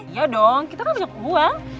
ya dong kita kan banyak uang